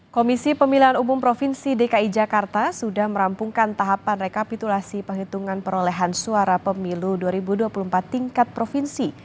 komisi pemilihan umum provinsi dki jakarta sudah merampungkan tahapan rekapitulasi penghitungan perolehan suara pemilu dua ribu dua puluh empat tingkat provinsi